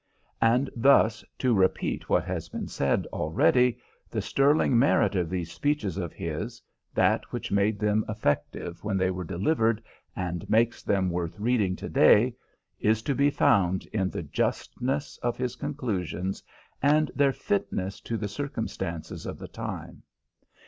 And thus, to repeat what has been said already, the sterling merit of these speeches of his, that which made them effective when they were delivered and makes them worth reading to day, is to be found in the justness of his conclusions and their fitness to the circumstances of the time.